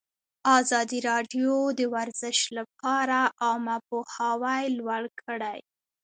ازادي راډیو د ورزش لپاره عامه پوهاوي لوړ کړی.